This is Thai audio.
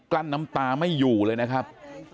ลั้นน้ำตาไม่อยู่เลยนะครับ